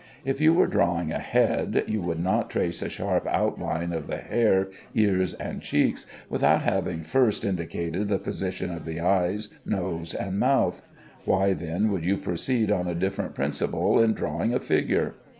If you were drawing a head, you would not trace a sharp outline of the hair, ears, and cheeks, without having first indicated the position of the eyes, nose, and mouth. Why then should you proceed on a different principle in drawing a figure?